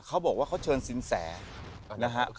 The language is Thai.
เขาบอกว่าเขาเชิญสินแสนะฮะ